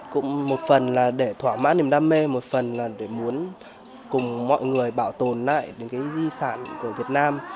cũng một phần là để thỏa mãn niềm đam mê một phần là để muốn cùng mọi người bảo tồn lại những cái di sản của việt nam